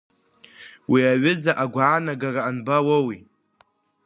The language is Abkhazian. Уи аҩыза агәаанагара анбауоуи…